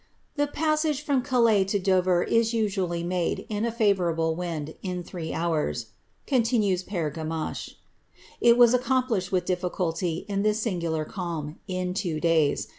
^ The passage from Calais to Dover is usually made, in a ftvoureble wind, ill three hours,^' continues lV;re Gamachc ;^* it was accomplished with difUculty, in this singular calm, in two days.